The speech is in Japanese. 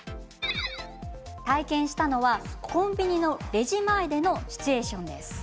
体験したのは、コンビニのレジ前でのシチュエーション。